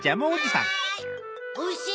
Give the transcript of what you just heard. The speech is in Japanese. はい。